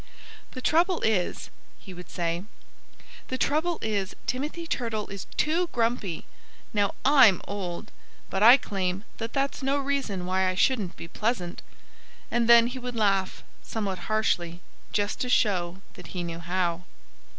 "The trouble is " he would say "the trouble is, Timothy Turtle is too grumpy. Now, I'm old. But I claim that that's no reason why I shouldn't be pleasant." And then he would laugh somewhat harshly just to show that he knew how.